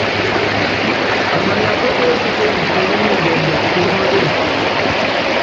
Amayapá ekíte nsunú ni ndɔɔndɔ pinyɔ́líɛ.